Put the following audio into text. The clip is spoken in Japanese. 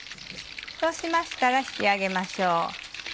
そうしましたら引き上げましょう。